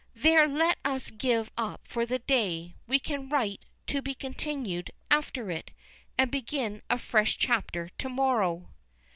There let us give up for the day. We can write 'To be continued' after it, and begin a fresh chapter to morrow."